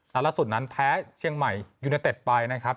แล้วล่าสุดนั้นแพ้เชียงใหม่ยูเนเต็ดไปนะครับ